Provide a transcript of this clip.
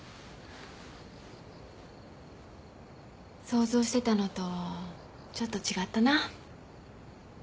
想像してたのとちょっと違ったな。